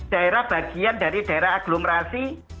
daerah bagian dari daerah agglomerasi